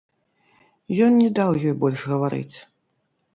Ён не даў ёй больш гаварыць.